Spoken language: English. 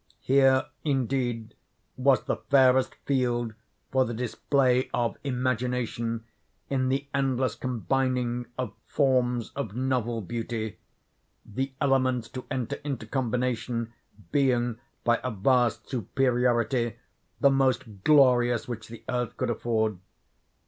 Here, indeed, was the fairest field for the display of imagination in the endless combining of forms of novel beauty; the elements to enter into combination being, by a vast superiority, the most glorious which the earth could afford.